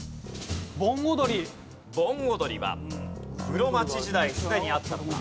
盆踊りは室町時代すでにあったのか？